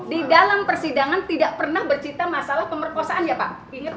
di dalam persidangan tidak pernah bercerita masalah pemerkosaan ya pak